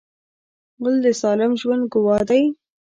غول د سالم ژوند ګواه دی.